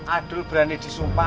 adul berani disumpah